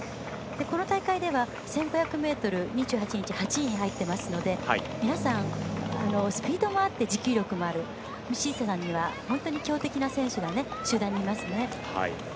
この大会では１５００ｍ２８日、８位に入っていますので皆さん、スピードもあって持久力もある道下さんには、本当に強力な選手が集団にいますね。